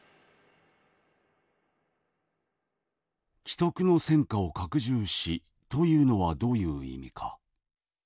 「既得の戦果を拡充し」というのはどういう意味か？